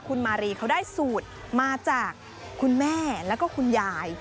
คุณมารีเขาได้สูตรมาจากคุณแม่แล้วก็คุณยาย